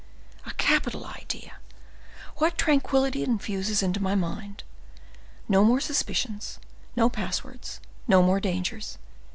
A capital idea; what tranquillity it infuses into my mind! no more suspicions—no passwords—no more dangers!